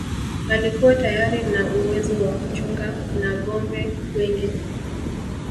Alikuwa tayari ana uwezo wa kuchunga nâgombe wengi